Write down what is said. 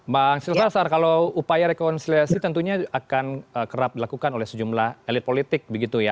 bang silvasar kalau upaya rekonsiliasi tentunya akan kerap dilakukan oleh sejumlah elit politik begitu ya